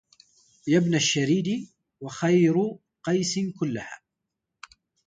يا ابن الشريد وخير قيس كلها